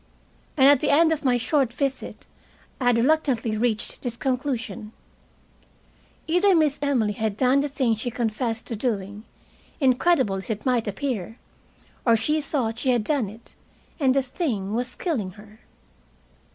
And, at the end of my short visit, I had reluctantly reached this conclusion: either Miss Emily had done the thing she confessed to doing, incredible as it might appear, or she thought she had done it; and the thing was killing her.